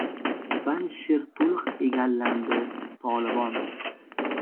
Panjshir to‘liq egallandi — Tolibon